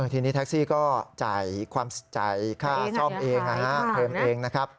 ทีนี้แท็กซี่ก็จ่ายความใจค่าซ่อมเองนะครับ